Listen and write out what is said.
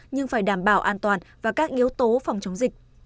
nhưng phải đảm bảo an toàn và các yếu tố phòng chống dịch